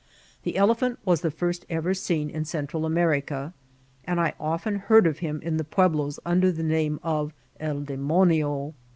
The elephant was the first ever seen in Central Amerioa, and I olten heard of him in the Pueblos nnder tfie name of Bl Demonio.